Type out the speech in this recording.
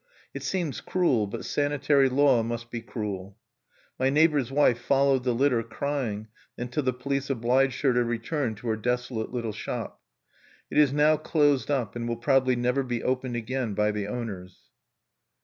It seems cruel; but sanitary law must be cruel. My neighbor's wife followed the litter, crying, until the police obliged her to return to her desolate little shop. It is now closed up, and will probably never be opened again by the owners.